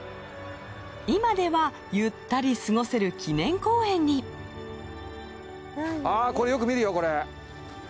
今ではゆったり過ごせる記念公園にあっこれよく見るよこれ。